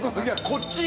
「こっち！？」